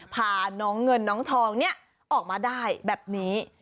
พาน้องเงินน้องทองเนี่ยออกมาได้แบบนี้